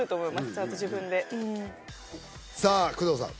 ちゃんと自分でさあ工藤さん